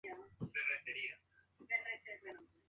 Se cubre mediante artesonado.